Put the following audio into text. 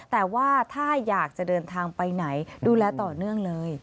แต่ว่าถ้าอยากจะเดินทางไปไหนดูแลต่อเนื่องเลย